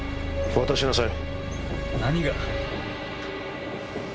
渡しなさい。